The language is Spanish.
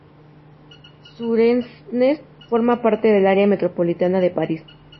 Suresnes forma parte del área metropolitana de París.